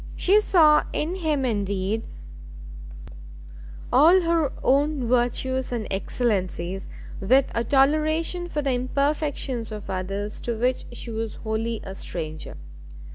She saw in him, indeed, all her own virtues and excellencies, with a toleration for the imperfections of others to which she was wholly a stranger.